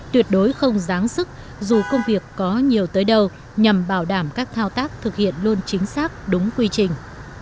tuyệt đối không giáng sức dù công việc có nhiều tới đâu nhằm bảo đảm các thao tác thực hiện luôn chính xác đúng quy trình